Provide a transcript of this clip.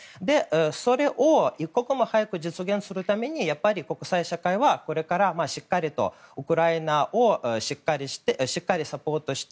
それを一刻も早く実現するために国際社会はこれからしっかりとウクライナをサポートする。